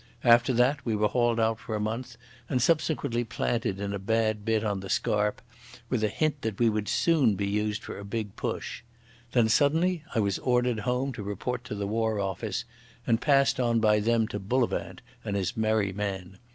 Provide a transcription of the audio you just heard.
After that we were hauled out for a month, and subsequently planted in a bad bit on the Scarpe with a hint that we would soon be used for a big push. Then suddenly I was ordered home to report to the War Office, and passed on by them to Bullivant and his merry men.